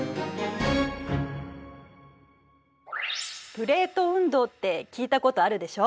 「プレート運動」って聞いたことあるでしょ？